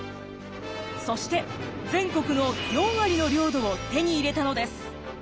そして全国の４割の領土を手に入れたのです。